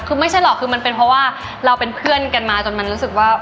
คือไม่ใช่หรอกคือมันเป็นเพราะว่าเราเป็นเพื่อนกันมาจนมันรู้สึกว่า